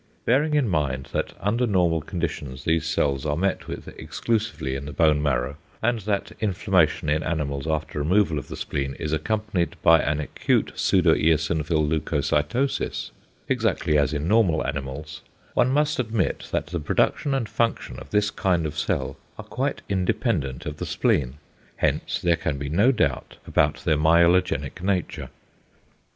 Bearing in mind that under normal conditions these cells are met with exclusively in the bone marrow, and that inflammation in animals after removal of the spleen is accompanied by an acute pseudoeosinophil leucocytosis, exactly as in normal animals, one must admit that the production and function of this kind of cell are quite independent of the spleen. Hence there can be no doubt about their myelogenic nature.